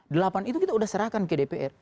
delapan itu kita sudah serahkan ke dpr